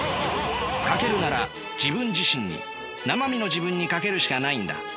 賭けるなら自分自身になま身の自分に賭けるしかないんだ。